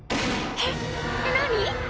えっ何？